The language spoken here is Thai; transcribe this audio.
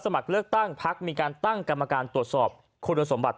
เลือกตั้งพักมีการตั้งกรรมการตรวจสอบคุณสมบัติ